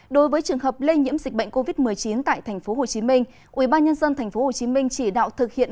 đối với trường hợp lây nhiễm dịch bệnh covid một mươi chín tại tp hcm quỹ ba nhân dân tp hcm chỉ đạo thực hiện